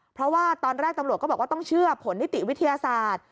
เพราะว่าตอนแรกตำรวจก็บอกว่าต้องเชื่อผลนิติวิทยาศาสตร์